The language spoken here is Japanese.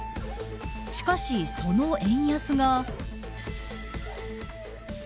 しかし、その円安が。